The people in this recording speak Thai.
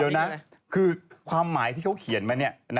เดี๋ยวนะคือความหมายที่เขาเขียนมาเนี่ย